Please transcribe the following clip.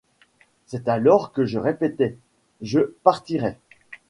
C'est alors que je répétais : «Je partirai.